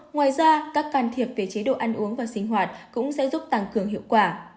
ngoài ra các can thiệp về chế độ ăn uống và sinh hoạt cũng sẽ giúp tăng cường hiệu quả